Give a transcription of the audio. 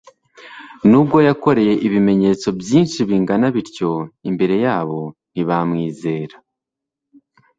«Nubwo yakoreye ibimenyetso byinshi bingana bityo imbere yabo ntibamwizera.»